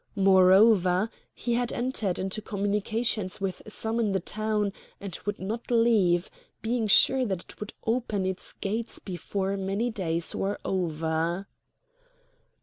Moreover, he had entered into communications with some in the town and would not leave, being sure that it would open its gates before many days were over.